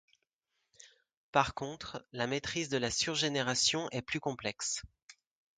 Par contre, la maîtrise de la surgénération est plus complexe.